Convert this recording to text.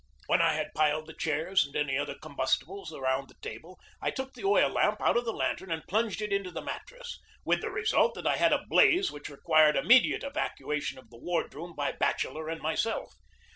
When I had piled the chairs and any other com bustibles around the table, I took the oil lamp out of the lantern and plunged it into the mattress, with the result that I had a blaze which required imme diate evacuation of the wardroom by Batcheller and myself.